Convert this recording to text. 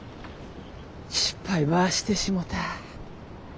失敗ばしてしもた。